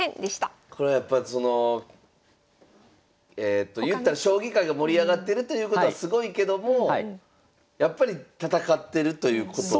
これやっぱりそのいったら将棋界が盛り上がってるということはすごいけどもやっぱり戦ってるということ。